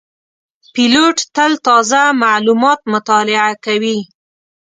پیلوټ تل تازه معلومات مطالعه کوي.